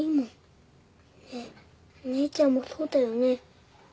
ねっお姉ちゃんもそうだよね。